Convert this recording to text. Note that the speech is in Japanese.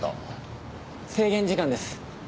制限時間です。